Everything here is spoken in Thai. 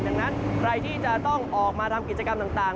ดังนั้นใครที่จะต้องออกมาทำกิจกรรมต่าง